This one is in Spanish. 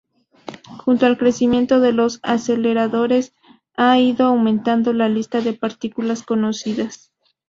Junto al crecimiento de los aceleradores ha ido aumentando la lista de partículas conocidas.